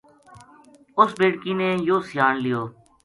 اُس بیٹکی نے یوہ سیان لیو